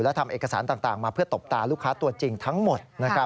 และทำเอกสารต่างมาเพื่อตบตาลูกค้าตัวจริงทั้งหมด